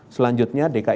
selanjutnya dki jakarta